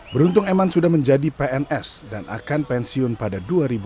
beruntung eman sudah menjadi pns dan akan pensiun pada dua ribu dua puluh